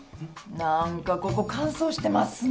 何かここ乾燥してますね。